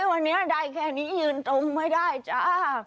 วันนี้ได้แค่นี้ยืนตรงไม่ได้จ้า